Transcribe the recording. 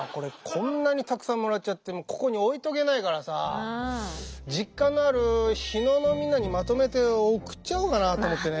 こんなにたくさんもらっちゃってここに置いとけないからさ実家のある日野のみんなにまとめて送っちゃおうかなと思ってね。